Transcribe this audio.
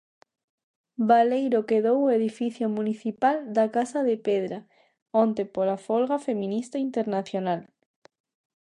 Baleiro quedou o edificio municipal da "casa de pedra" onte pola folga feminista internacional.